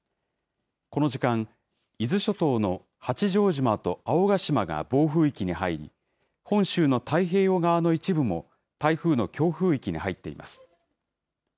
この時間、伊豆諸島の八丈島と青ヶ島が暴風域に入り、本州の太平洋側の一部も台風の強風域に入っています。